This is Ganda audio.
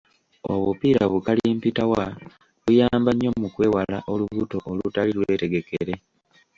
Obupiira bukalimpitawa buyamba nnyo mukwewala olubuto olutali lwetegekere.